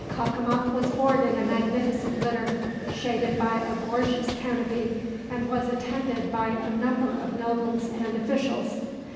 Cacama was borne in a magnificent litter, shaded by a gorgeous canopy, and was attended by a number of nobles and officials.